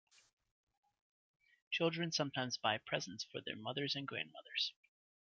Children sometimes buy presents for their mothers and grandmothers.